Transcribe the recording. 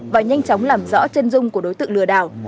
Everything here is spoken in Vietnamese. và nhanh chóng làm rõ chân dung của đối tượng lừa đảo